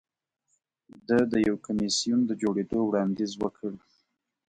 ده د یو کمېسیون د جوړېدو وړاندیز وکړ